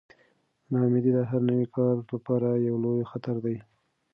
ناامیدي د هر نوي کار لپاره یو لوی خطر دی.